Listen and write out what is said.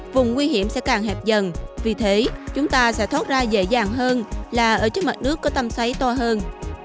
vùng nguy hiểm sẽ càng hẹp dần vì thế chúng ta sẽ thoát ra dễ dàng hơn là ở trước mặt nước có tâm xoáy to hơn